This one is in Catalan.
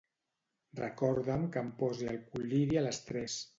Recorda'm que em posi el col·liri a les tres.